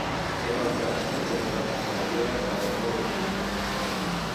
Era el cas, per exemple, de Baviera o d'Oldenburg.